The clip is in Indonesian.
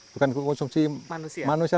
bukan untuk konsumsi manusia